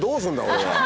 俺は。